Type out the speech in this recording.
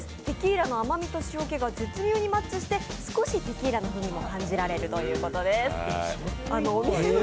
テキーラの甘みと塩気が絶妙にマッチして少しテキーラの風味も感じられるということ手。